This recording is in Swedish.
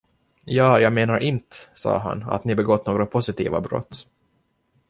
Ja jag menar inte, sade han, att ni begått några positiva brott.